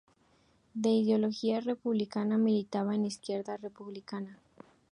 De ideología republicana, militaba en Izquierda Republicana.